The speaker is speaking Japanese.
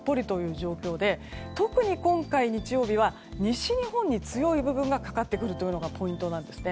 状況で特に今回、日曜日は西日本に強い部分がかかってくるというのがポイントなんですね。